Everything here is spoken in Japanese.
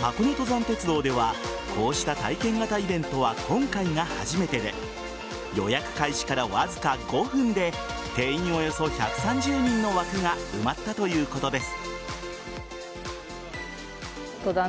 箱根登山鉄道ではこうした体験型イベントは今回が初めてで予約開始から、わずか５分で定員およそ１３０人の枠が埋まったということです。